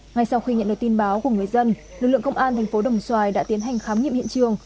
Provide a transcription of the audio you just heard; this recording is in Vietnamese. ngay sau khi nhận được tin báo của người dân lực lượng công an thành phố đồng xoài đã tiến hành khám nghiệm hiện trường